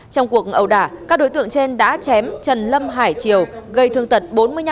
trong cuộc ẩu đả các đối tượng trên đã chém trần lâm hải triều gây thương tật bốn mươi năm